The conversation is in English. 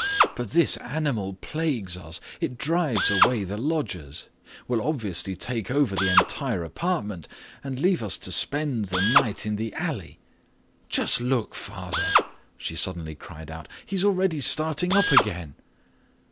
But this animal plagues us. It drives away the lodgers, will obviously take over the entire apartment, and leave us to spend the night in the alley. Just look, father," she suddenly cried out, "he's already starting up again."